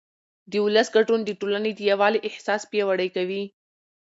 د ولس ګډون د ټولنې د یووالي احساس پیاوړی کوي